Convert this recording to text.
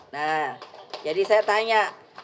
nah jadi saya tanya